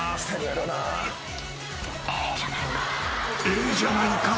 ［「ええじゃないか」